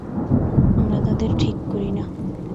আমরা তাদের ঠিক করি না।